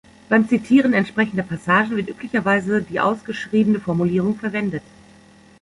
Beim Zitieren entsprechender Passagen wird üblicherweise die ausgeschriebene Formulierung verwendet.